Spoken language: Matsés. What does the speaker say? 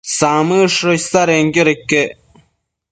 Samëdsho isadenquioda iquec